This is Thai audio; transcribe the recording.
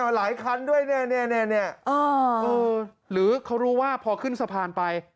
หลายคันด้วยเนี่ยหรือเขารู้ว่าพอขึ้นสะพานไป